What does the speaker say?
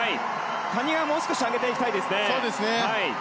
谷川、もう少し上げていきたいですね。